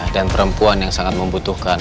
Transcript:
dan perempuan yang sangat membutuhkan